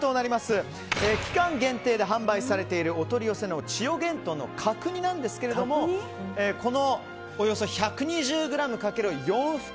期間限定で発売されているお取り寄せの千代幻豚の角煮なんですがおよそ１２０ｇかける４袋。